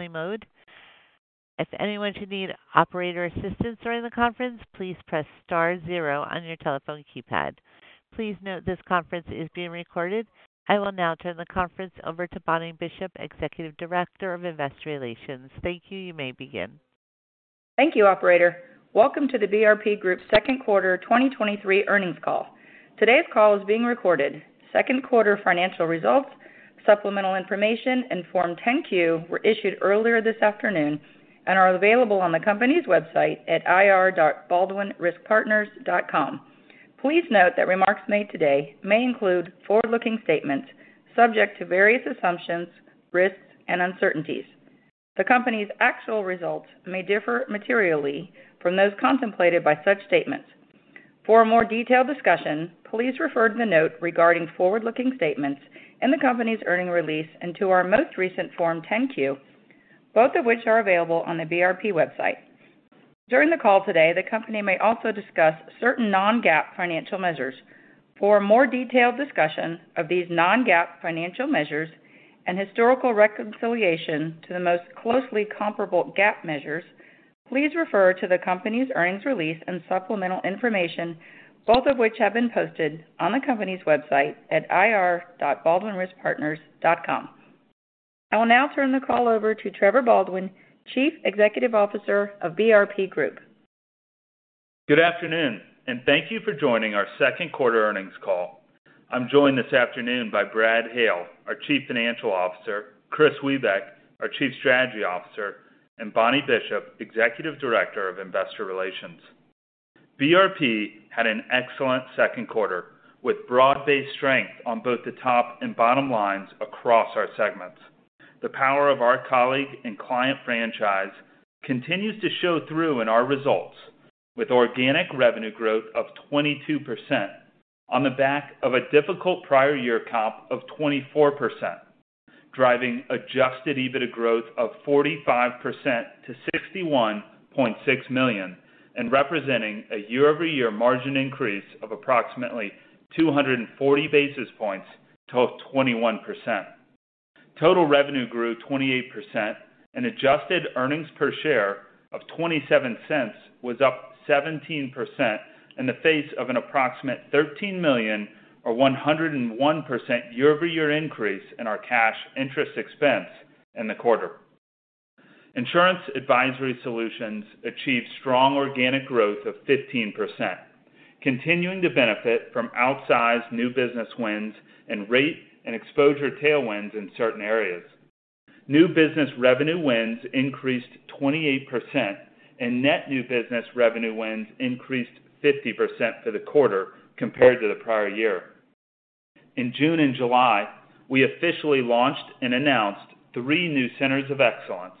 Only mode. If anyone should need operator assistance during the conference, please press star zero on your telephone keypad. Please note this conference is being recorded. I will now turn the conference over to Bonnie Bishop, Executive Director of Investor Relations. Thank you. You may begin. Thank you, operator. Welcome to the BRP Group Second Quarter 2023 Earnings Call. Today's call is being recorded. Second quarter financial results, supplemental information, and Form 10-Q were issued earlier this afternoon and are available on the company's website at ir.baldwinriskpartners.com. Please note that remarks made today may include forward-looking statements subject to various assumptions, risks, and uncertainties. The company's actual results may differ materially from those contemplated by such statements. For a more detailed discussion, please refer to the note regarding forward-looking statements in the company's earnings release and to our most recent Form 10-Q, both of which are available on the BRP website. During the call today, the company may also discuss certain non-GAAP financial measures. For a more detailed discussion of these non-GAAP financial measures and historical reconciliation to the most closely comparable GAAP measures, please refer to the company's earnings release and supplemental information, both of which have been posted on the company's website at ir.baldwinriskpartners.com. I will now turn the call over to Trevor Baldwin, Chief Executive Officer of BRP Group. Good afternoon, thank you for joining our second quarter earnings call. I'm joined this afternoon by Brad Hale, our Chief Financial Officer, Kris Wiebeck, our Chief Strategy Officer, and Bonnie Bishop, Executive Director of Investor Relations. BRP had an excellent second quarter, with broad-based strength on both the top and bottom lines across our segments. The power of our colleague and client franchise continues to show through in our results, with organic revenue growth of 22% on the back of a difficult prior year comp of 24%, driving Adjusted EBITDA growth of 45% to $61.6 million and representing a year-over-year margin increase of approximately 240 basis points to 21%. Total revenue grew 28%, and adjusted earnings per share of $0.27 was up 17% in the face of an approximate $13 million or 101% year-over-year increase in our cash interest expense in the quarter. Insurance Advisory Solutions achieved strong organic growth of 15%, continuing to benefit from outsized new business wins and rate and exposure tailwinds in certain areas. New business revenue wins increased 28%, and net new business revenue wins increased 50% for the quarter compared to the prior year. In June and July, we officially launched and announced three new Centers of Excellence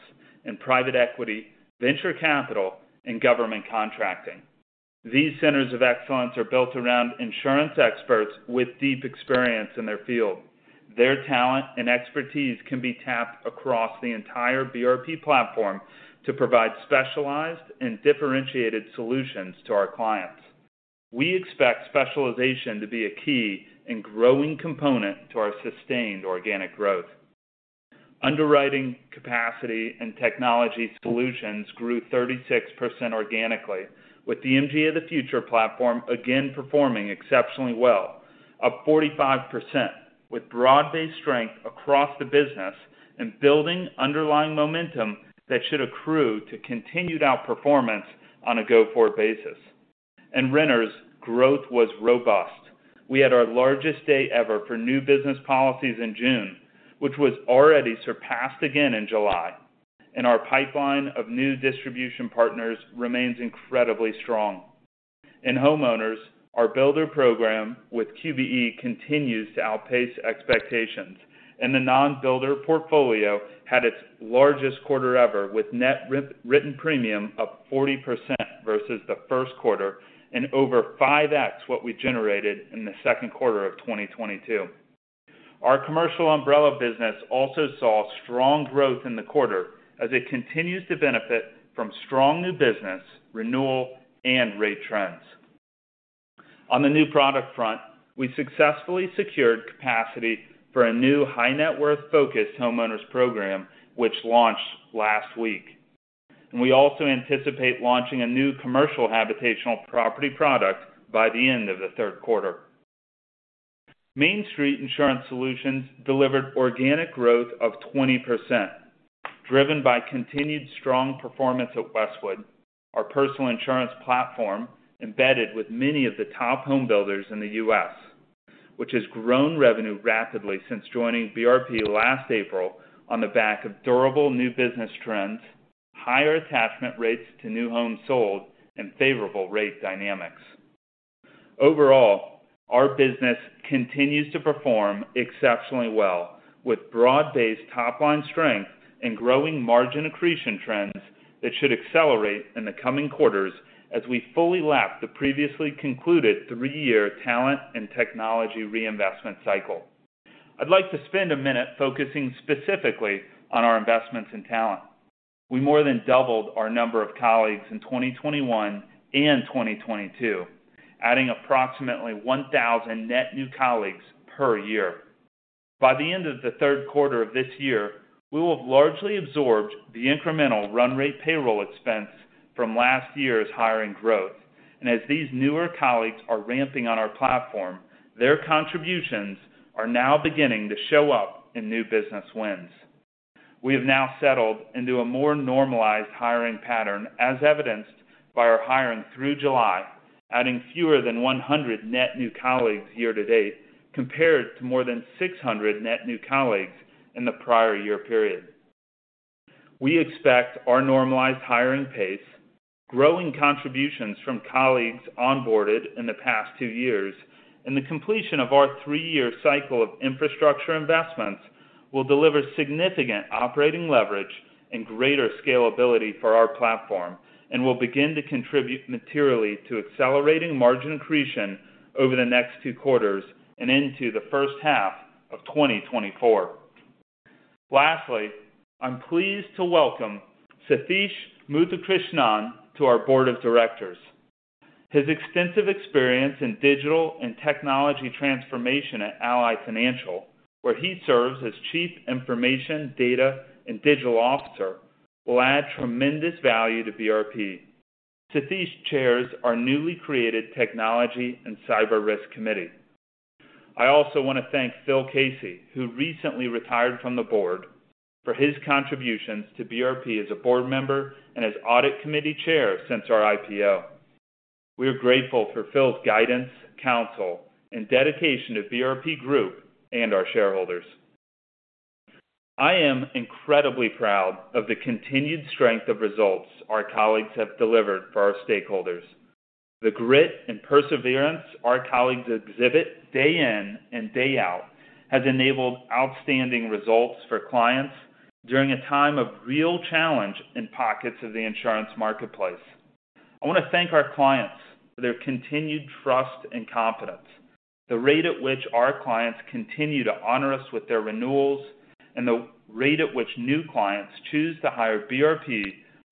in private equity, venture capital, and government contracting. These Centers of Excellence are built around insurance experts with deep experience in their field. Their talent and expertise can be tapped across the entire BRP platform to provide specialized and differentiated solutions to our clients. We expect specialization to be a key and growing component to our sustained organic growth. Underwriting, Capacity & Technology Solutions grew 36% organically, with the MGA of the Future platform again performing exceptionally well, up 45%, with broad-based strength across the business and building underlying momentum that should accrue to continued outperformance on a go-forward basis. In renters, growth was robust. We had our largest day ever for new business policies in June, which was already surpassed again in July, and our pipeline of new distribution partners remains incredibly strong. In homeowners, our builder program with QBE continues to outpace expectations, and the non-builder portfolio had its largest quarter ever, with net written premium up 40% versus the first quarter and over 5x what we generated in the second quarter of 2022. Our commercial umbrella business also saw strong growth in the quarter as it continues to benefit from strong new business, renewal, and rate trends. On the new product front, we successfully secured capacity for a new high net worth focused homeowners program, which launched last week. We also anticipate launching a new commercial habitational property product by the end of the third quarter. Mainstreet Insurance Solutions delivered organic growth of 20%, driven by continued strong performance at Westwood. Our personal insurance platform embedded with many of the top home builders in the US, which has grown revenue rapidly since joining BRP last April on the back of durable new business trends, higher attachment rates to new homes sold, and favorable rate dynamics. Overall, our business continues to perform exceptionally well, with broad-based top-line strength and growing margin accretion trends that should accelerate in the coming quarters as we fully lap the previously concluded three-year talent and technology reinvestment cycle. I'd like to spend a minute focusing specifically on our investments in talent. We more than doubled our number of colleagues in 2021 and 2022, adding approximately 1,000 net new colleagues per year. By the end of the third quarter of this year, we will have largely absorbed the incremental run rate payroll expense from last year's hiring growth. As these newer colleagues are ramping on our platform, their contributions are now beginning to show up in new business wins. We have now settled into a more normalized hiring pattern, as evidenced by our hiring through July, adding fewer than 100 net new colleagues year to date, compared to more than 600 net new colleagues in the prior year period. We expect our normalized hiring pace, growing contributions from colleagues onboarded in the past two years, and the completion of our three-year cycle of infrastructure investments will deliver significant operating leverage and greater scalability for our platform, and will begin to contribute materially to accelerating margin accretion over the next two quarters and into the first half of 2024. Lastly, I'm pleased to welcome Sathish Muthukrishnan to our board of directors. His extensive experience in digital and technology transformation at Ally Financial, where he serves as Chief Information, Data, and Digital Officer, will add tremendous value to BRP. Sathish chairs our newly created Technology and Cyber Risk Committee. I also want to thank Phil Casey, who recently retired from the board, for his contributions to BRP as a board member and as Audit Committee Chair since our IPO. We are grateful for Phil's guidance, counsel, and dedication to BRP Group and our shareholders. I am incredibly proud of the continued strength of results our colleagues have delivered for our stakeholders. The grit and perseverance our colleagues exhibit day in and day out has enabled outstanding results for clients during a time of real challenge in pockets of the insurance marketplace. I want to thank our clients for their continued trust and confidence. The rate at which our clients continue to honor us with their renewals, and the rate at which new clients choose to hire BRP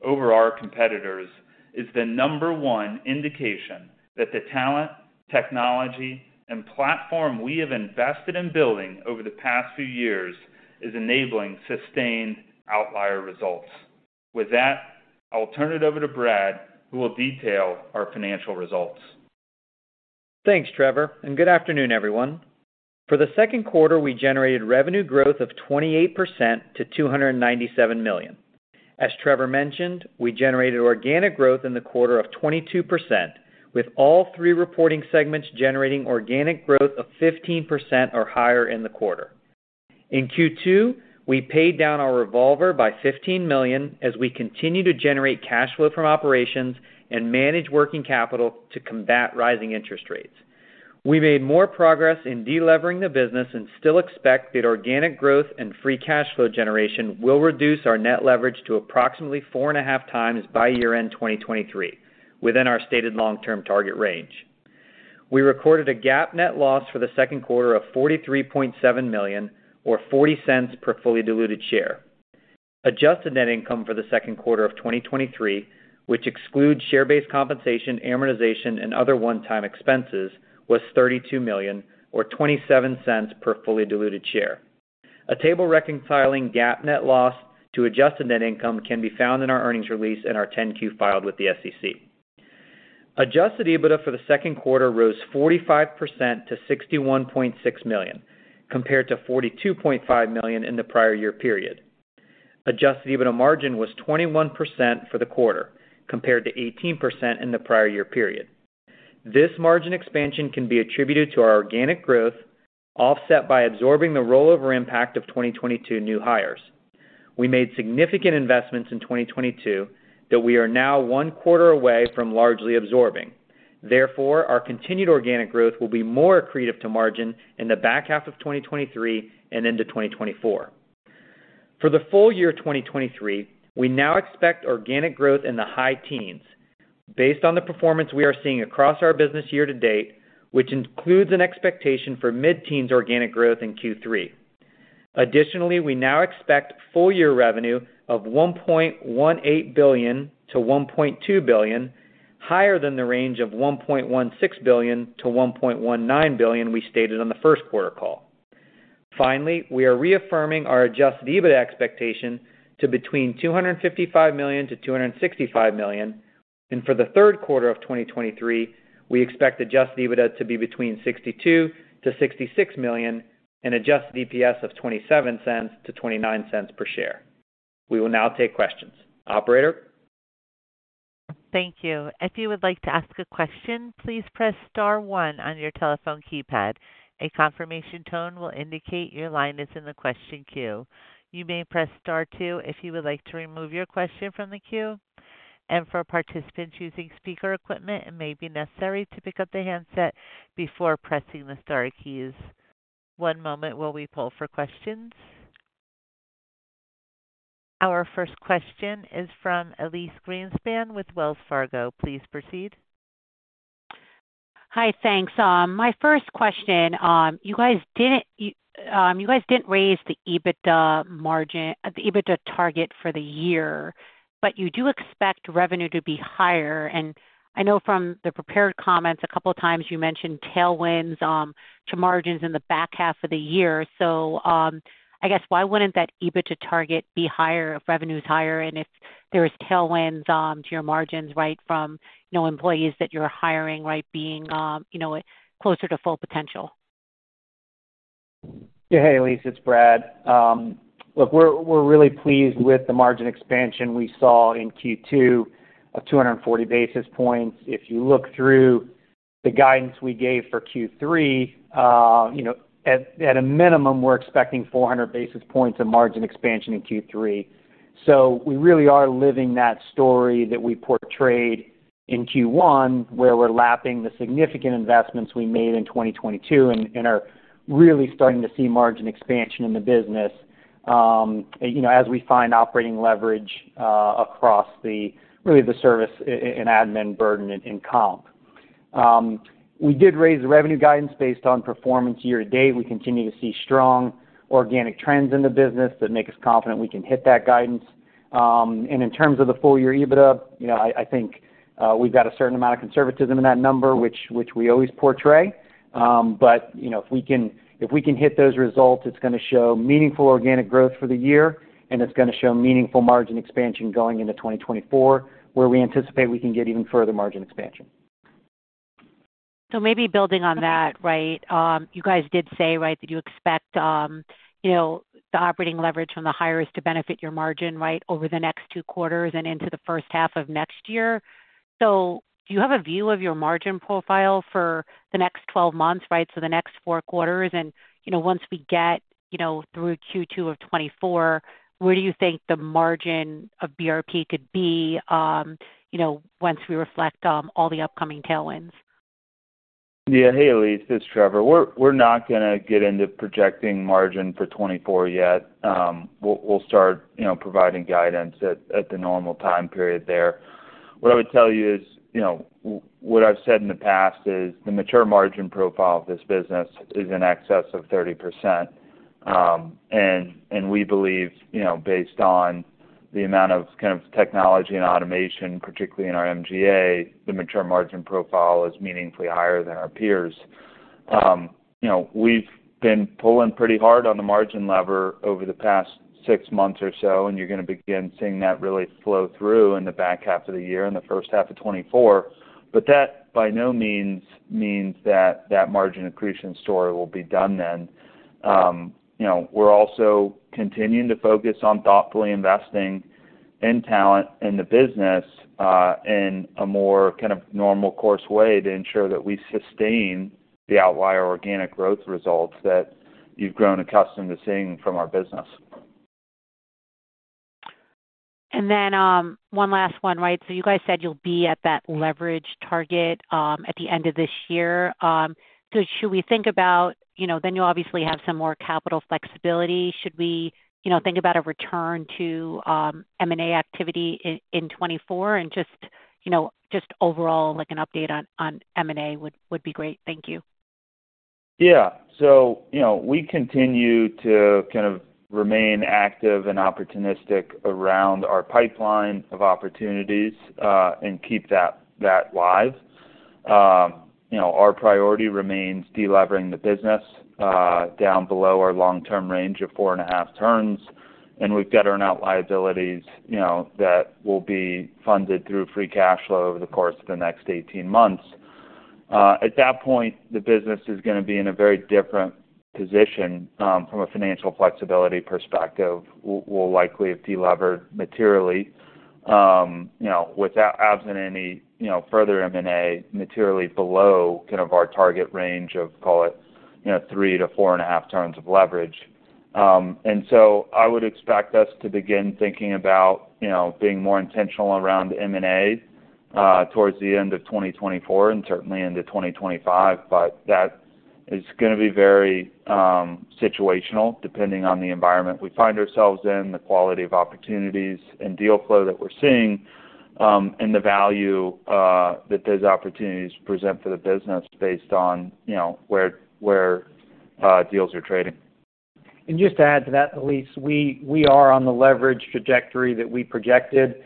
over our competitors, is the number one indication that the talent, technology, and platform we have invested in building over the past few years is enabling sustained outlier results. With that, I'll turn it over to Brad, who will detail our financial results. Thanks, Trevor, good afternoon, everyone. For the second quarter, we generated revenue growth of 28% to $297 million. As Trevor mentioned, we generated organic growth in the quarter of 22%, with all three reporting segments generating organic growth of 15% or higher in the quarter. In Q2, we paid down our revolver by $15 million as we continue to generate cash flow from operations and manage working capital to combat rising interest rates. We made more progress in delevering the business and still expect that organic growth and free cash flow generation will reduce our net leverage to approximately 4.5x by year-end 2023, within our stated long-term target range. We recorded a GAAP net loss for the second quarter of $43.7 million, or $0.40 per fully diluted share. Adjusted net income for the second quarter of 2023, which excludes share-based compensation, amortization, and other one-time expenses, was $32 million, or $0.27 per fully diluted share. A table reconciling GAAP net loss to Adjusted net income can be found in our earnings release and our 10-Q filed with the SEC. Adjusted EBITDA for the second quarter rose 45% to $61.6 million, compared to $42.5 million in the prior year period. Adjusted EBITDA margin was 21% for the quarter, compared to 18% in the prior year period. This margin expansion can be attributed to our organic growth, offset by absorbing the rollover impact of 2022 new hires. We made significant investments in 2022, that we are now one quarter away from largely absorbing. Therefore, our continued organic growth will be more accretive to margin in the back half of 2023 and into 2024. For the full year of 2023, we now expect organic growth in the high teens. Based on the performance we are seeing across our business year to date, which includes an expectation for mid-teens organic growth in Q3. Additionally, we now expect full year revenue of $1.18 billion-$1.2 billion, higher than the range of $1.16 billion-$1.19 billion we stated on the first quarter call. Finally, we are reaffirming our Adjusted EBITDA expectation to between $255 million-$265 million, and for the third quarter of 2023, we expect Adjusted EBITDA to be between $62 million-$66 million and Adjusted EPS of $0.27-$0.29 per share. We will now take questions. Operator? Thank you. If you would like to ask a question, please press star one on your telephone keypad. A confirmation tone will indicate your line is in the question queue. You may press star two if you would like to remove your question from the queue. For participants using speaker equipment, it may be necessary to pick up the handset before pressing the star keys. 1 moment while we pull for questions. Our first question is from Elyse Greenspan with Wells Fargo. Please proceed. Hi, thanks. My first question, you guys didn't raise the EBITDA margin- the EBITDA target for the year, but you do expect revenue to be higher. I know from the prepared comments, a couple of times you mentioned tailwinds to margins in the back half of the year. I guess why wouldn't that EBITDA target be higher if revenue is higher and if there is tailwinds to your margins, right, from, you know, employees that you're hiring, right, being, you know, closer to full potential? Yeah. Hey, Elyse, it's Brad. Look, we're, we're really pleased with the margin expansion we saw in Q2 of 240 basis points. If you look through the guidance we gave for Q3, you know, at, at a minimum, we're expecting 400 basis points of margin expansion in Q3. We really are living that story that we portrayed in Q1, where we're lapping the significant investments we made in 2022 and, and are really starting to see margin expansion in the business, you know, as we find operating leverage across the really the service and admin burden in comp. We did raise the revenue guidance based on performance year-to-date. We continue to see strong organic trends in the business that make us confident we can hit that guidance. In terms of the full year EBITDA, you know, I, I think, we've got a certain amount of conservatism in that number, which, which we always portray. You know, if we can hit those results, it's gonna show meaningful organic growth for the year, and it's gonna show meaningful margin expansion going into 2024, where we anticipate we can get even further margin expansion. Maybe building on that, right? You guys did say, right, that you expect the operating leverage from the hires to benefit your margin, right, over the next two quarters and into the first half of next year. Do you have a view of your margin profile for the next 12 months, right, so the next 4 quarters? Once we get through Q2 of 2024, where do you think the margin of BRP could be, once we reflect all the upcoming tailwinds? Yeah. Hey, Elyse, it's Trevor. We're not gonna get into projecting margin for 2024 yet. We'll start, you know, providing guidance at the normal time period there. What I would tell you is, you know, what I've said in the past is, the mature margin profile of this business is in excess of 30%. And we believe, you know, based on the amount of kind of technology and automation, particularly in our MGA, the mature margin profile is meaningfully higher than our peers. You know, we've been pulling pretty hard on the margin lever over the past six months or so, and you're gonna begin seeing that really flow through in the back half of the year and the first half of 2024. That, by no means, means that that margin accretion story will be done then. you know, we're also continuing to focus on thoughtfully investing in talent in the business, in a more kind of normal course way to ensure that we sustain the outlier organic growth results that you've grown accustomed to seeing from our business. One last one, right? You guys said you'll be at that leverage target at the end of this year. Should we think about. You know, then you obviously have some more capital flexibility. Should we, you know, think about a return to M&A activity in 2024? Just, you know, just overall, like, an update on M&A would be great. Thank you. Yeah. You know, we continue to kind of remain active and opportunistic around our pipeline of opportunities and keep that, that live. You know, our priority remains delevering the business down below our long-term range of four and the half turns, and we've got earn-out liabilities, you know, that will be funded through free cash flow over the course of the next 18 months. At that point, the business is gonna be in a very different position from a financial flexibility perspective. We'll likely have delevered materially, you know, without absent any, you know, further M&A, materially below kind of our target range of, call it, you know, three- four and the half turns of leverage. I would expect us to begin thinking about, you know, being more intentional around M&A towards the end of 2024 and certainly into 2025. That is gonna be very situational, depending on the environment we find ourselves in, the quality of opportunities and deal flow that we're seeing, and the value that those opportunities present for the business based on, you know, where, where deals are trading. Just to add to that, Elyse Greenspan, we, we are on the leverage trajectory that we projected.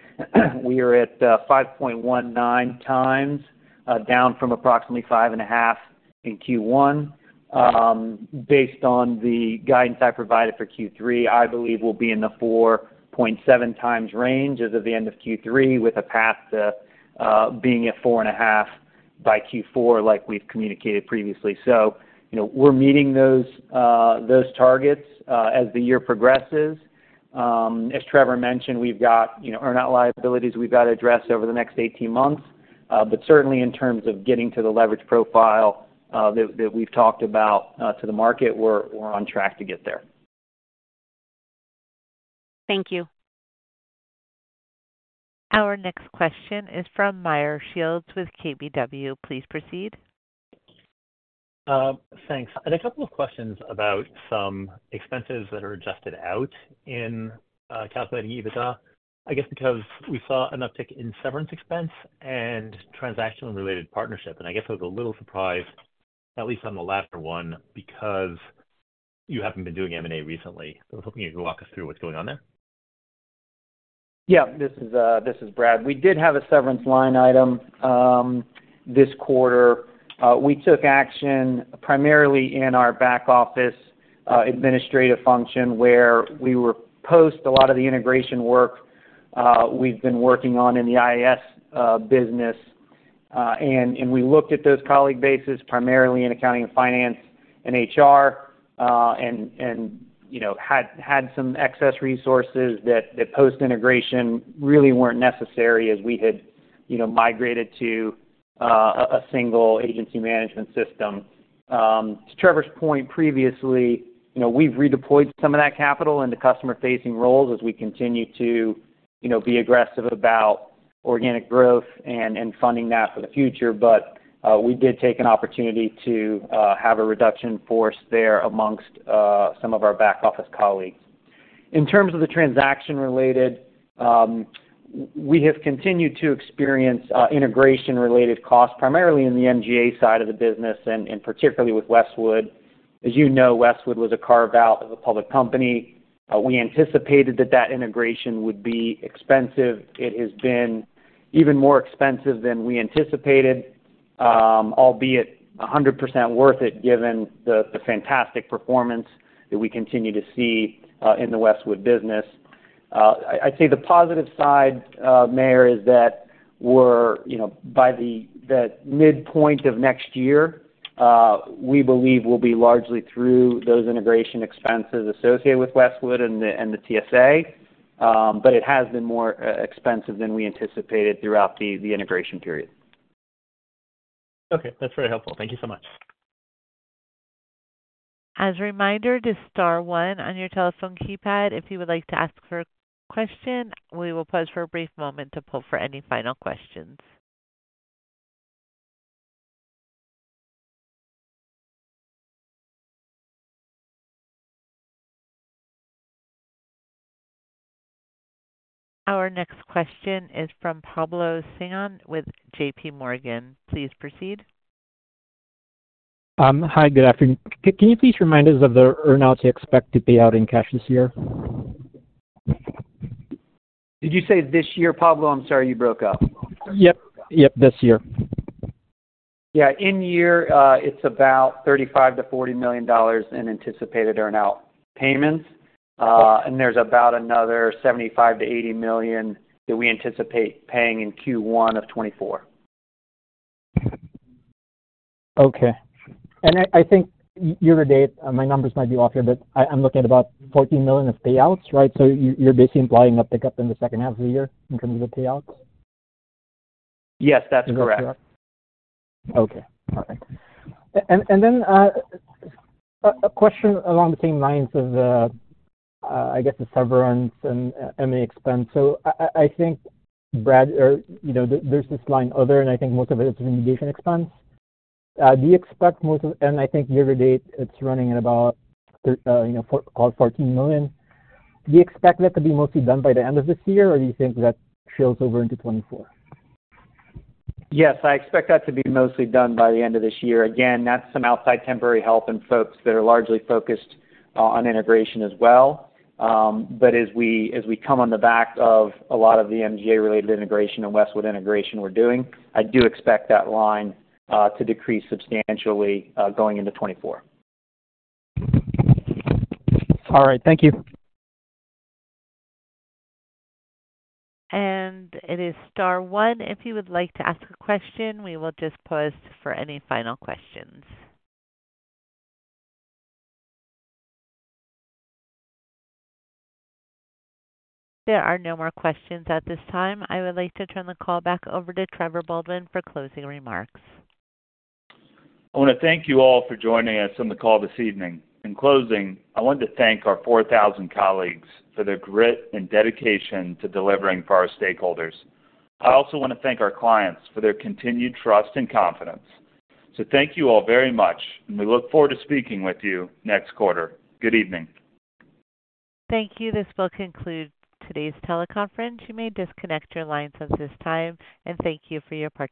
We are at 5.19 times down from approximately five and the half in Q1. Based on the guidance I provided for Q3, I believe we'll be in the 4.7 times range as of the end of Q3, with a path to being at four and the half by Q4, like we've communicated previously. You know, we're meeting those those targets as the year progresses. As Trevor Baldwin mentioned, we've got, you know, earnout liabilities we've got to address over the next 18 months. Certainly in terms of getting to the leverage profile that, that we've talked about to the market, we're, we're on track to get there. Thank you. Our next question is from Meyer Shields with KBW. Please proceed. Thanks. I had a couple of questions about some expenses that are adjusted out in calculating EBITDA, I guess because we saw an uptick in severance expense and transactional and related partnership, and I guess I was a little surprised, at least on the latter one, because you haven't been doing M&A recently. I was hoping you could walk us through what's going on there. Yeah. This is, this is Brad. We did have a severance line item, this quarter. We took action primarily in our back office, administrative function, where we were post a lot of the integration work, we've been working on in the IAS business. We looked at those colleague bases, primarily in accounting and finance and HR, and, you know, had some excess resources that post-integration really weren't necessary as we had, you know, migrated to a single agency management system. To Trevor's point, previously, you know, we've redeployed some of that capital into customer-facing roles as we continue to, you know, be aggressive about organic growth and funding that for the future. We did take an opportunity to have a reduction force there amongst some of our back office colleagues. In terms of the transaction related, we have continued to experience integration-related costs, primarily in the MGA side of the business, and particularly with Westwood. As you know, Westwood was a carve-out of a public company. We anticipated that that integration would be expensive. It has been even more expensive than we anticipated, albeit 100% worth it, given the fantastic performance that we continue to see in the Westwood business. I'd say the positive side, Meyer, is that we're, you know, by the midpoint of next year, we believe we'll be largely through those integration expenses associated with Westwood and the TSA. It has been more expensive than we anticipated throughout the integration period. Okay. That's very helpful. Thank you so much. As a reminder, just star one on your telephone keypad if you would like to ask for a question. We will pause for a brief moment to pull for any final questions. Our next question is from Pablo Singzon with JPMorgan. Please proceed. Hi, good afternoon. Can you please remind us of the earn-out you expect to pay out in cash this year? Did you say this year, Pablo? I'm sorry, you broke up. Yep. Yep, this year. Yeah, in year, it's about $35 million-$40 million in anticipated earn-out payments. There's about another $75 million-$80 million that we anticipate paying in Q1 of 2024. Okay. I, I think year-to-date, my numbers might be off here, but I, I'm looking at about $14 million of payouts, right? So you, you're basically implying a pickup in the second half of the year in terms of the payouts? Yes, that's correct. Okay. All right. A question along the same lines of, I guess, the severance and M&A expense. I think, Brad, you know, there's this line, other, and I think most of it is integration expense. Do you expect most of... I think year-to-date, it's running at about, you know, $14 million. Do you expect that to be mostly done by the end of this year, or do you think that trails over into 2024? Yes, I expect that to be mostly done by the end of this year. Again, that's some outside temporary help and folks that are largely focused on integration as well. But as we, as we come on the back of a lot of the MGA-related integration and Westwood integration we're doing, I do expect that line to decrease substantially going into 2024. All right. Thank you. It is star one if you would like to ask a question. We will just pause for any final questions. There are no more questions at this time. I would like to turn the call back over to Trevor Baldwin for closing remarks. I want to thank you all for joining us on the call this evening. In closing, I wanted to thank our 4,000 colleagues for their grit and dedication to delivering for our stakeholders. I also want to thank our clients for their continued trust and confidence. Thank you all very much, and we look forward to speaking with you next quarter. Good evening. Thank you. This will conclude today's teleconference. You may disconnect your lines at this time, and thank you for your participation.